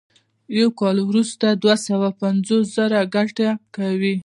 یو کال وروسته دوه سوه پنځوس زره ګټه کوي